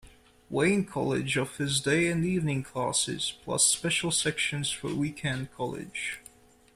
Wayne College offers day and evening classes, plus special sections for Weekend College.